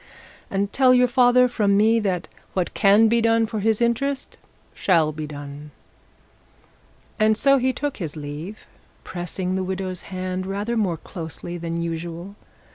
And tell your father from me that what can be done for his interest shall be done.' And so he took his leave, pressing the widow's hand rather more closely than usual.